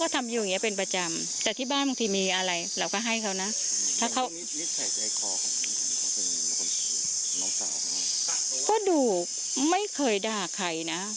แต่ที่บ้านบางทีมีอะไรเราก็ให้เขานะก็ดูบไม่เคยด่าใครนะ